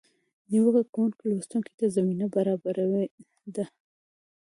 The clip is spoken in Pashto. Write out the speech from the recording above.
نیوکه کوونکي لوستونکي ته زمینه برابره ده.